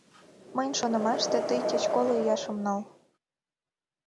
Мыйын шонымаште, тый кеч коло ияшым нал.